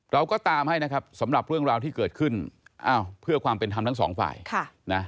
เราก็ตามให้นะครับสำหรับเรื่องราวที่เกิดขึ้นอ้าวเพื่อความเป็นธรรมทั้งสองฝ่ายนะ